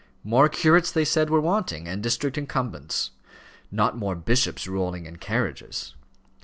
More curates, they said, were wanting, and district incumbents; not more bishops rolling in carriages.